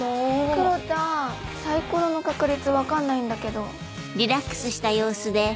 黒ちゃんサイコロの確率分かんないんだけど。